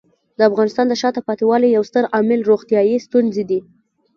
د افغانستان د شاته پاتې والي یو ستر عامل روغتیايي ستونزې دي.